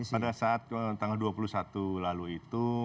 pada saat tanggal dua puluh satu lalu itu